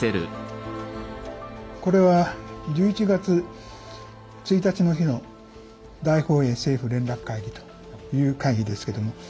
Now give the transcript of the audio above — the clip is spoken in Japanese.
これは１１月１日の日の大本営政府連絡会議という会議ですけども。